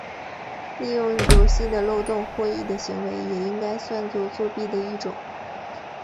利用游戏的漏洞获益的行为也应该算作作弊的一种。